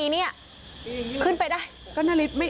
ทั้งหมดนี้คือลูกศิษย์ของพ่อปู่เรศรีนะคะ